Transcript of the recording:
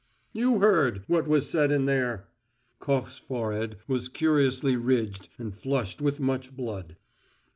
"You heard what was said in there!" Koch's forehead was curiously ridged and flushed with much blood.